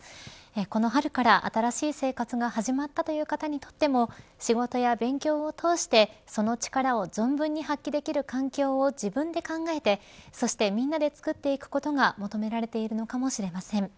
この春から新しい生活が始まったという方にとっても仕事や勉強を通してその力を存分に発揮できる環境を自分で考えて、そしてみんなで作っていくことが求められているのかもしれません。